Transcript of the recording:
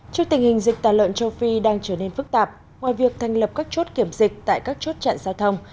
trước tình hình dịch tà lợn châu phi đang trở nên phức tạp ngoài việc thành lập các chốt kiểm dịch tại các chốt trạng giao thông